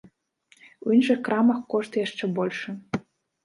У іншых крамах кошт яшчэ большы.